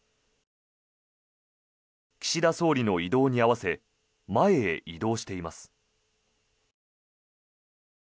岸田総理の移動に合わせ前へ移動しています。